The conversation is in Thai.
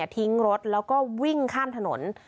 ทิ้งรถแล้วก็วิ่งข้ามถนน